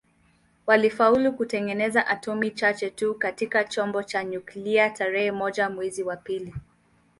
Walifaulu kutengeneza atomi chache tu katika chombo cha nyuklia tarehe moja mwezi wa pili